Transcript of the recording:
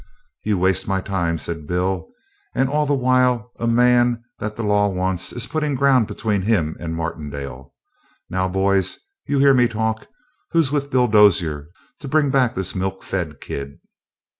"You waste my time," said Bill, "and all the while a man that the law wants is puttin' ground between him and Martindale. Now, boys, you hear me talk. Who's with Bill Dozier to bring back this milk fed kid?"